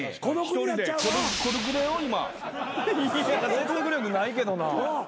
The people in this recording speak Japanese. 説得力ないけどな。